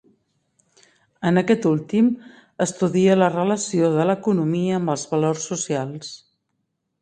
En aquest últim, estudia la relació de l'economia amb els valors socials.